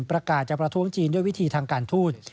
ประกาศจะประท้วงจีนด้วยวิธีทางการทูต